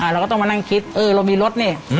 เราก็ต้องมานั่งคิดเออเรามีรถนี่